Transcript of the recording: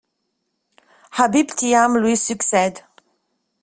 Habib Thiam lui succède.